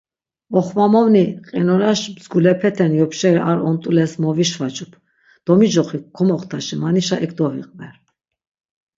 Oxvamoni qinoraş mzgudapeten yopşeri ar ont̆ules movişvacup, domicoxi komoxtaşi manişa ek doviqver.